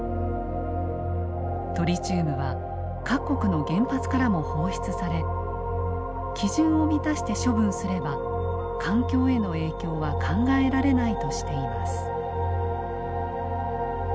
トリチウムは各国の原発からも放出され基準を満たして処分すれば環境への影響は考えられないとしています。